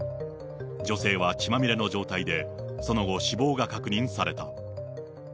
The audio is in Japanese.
女性は血まみれの状態で、その後、死亡が確認された。